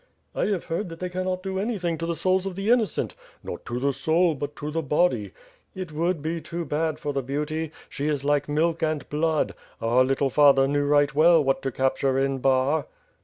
"I have heard that they cannot do anything to the souls of the innocent." "Not to the soul but to th« body." "It would be too bad for the beauty! She is like milk and blood. Our little father knew right well what to capture in Bar!"